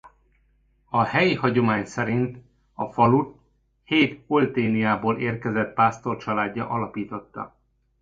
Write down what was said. A helyi hagyomány szerint a falut hét Olténiából érkezett pásztor családja alapította.